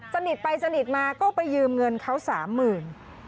สนิทไปสนิทมาก็ไปยืมเงินเขา๓๐๐๐๐บาท